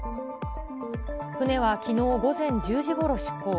船はきのう午前１０時ごろ出港。